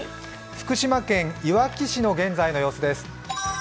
福島県いわき市の現在の様子です。